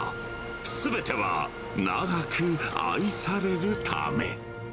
すべては長く愛されるため。